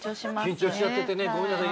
緊張しちゃっててねごめんなさい。